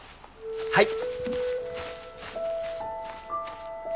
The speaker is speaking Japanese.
はい！